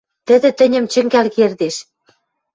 Тӹдӹ тӹньӹм чӹнгӓл кердеш...